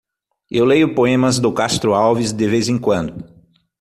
Eu leio poemas do Castro Alves de vez em quando.